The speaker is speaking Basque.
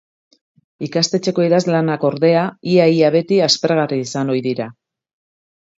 Ikastetxeko idazlanak, ordea, ia-ia beti aspergarri izan ohi dira.